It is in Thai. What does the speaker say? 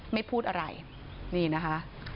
ไม่พูดอะไรนี่นะคะ